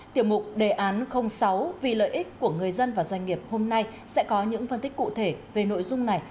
tiểu mục đề án sáu vì lợi ích của người dân và doanh nghiệp hôm nay sẽ có những phân tích cụ thể về nội dung này